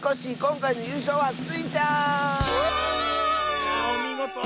いやおみごと。